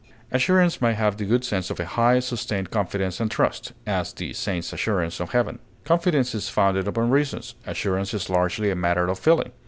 Assurance may have the good sense of a high, sustained confidence and trust; as, the saint's assurance of heaven. Confidence is founded upon reasons; assurance is largely a matter of feeling.